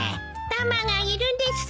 タマがいるです。